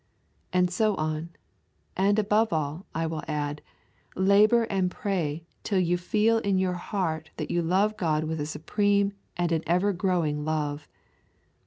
And so on. And above all, I will add, labour and pray till you feel in your heart that you love God with a supreme and an ever growing love.